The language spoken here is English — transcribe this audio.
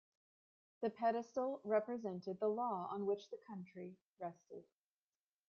The pedestal represented the law on which the country rested.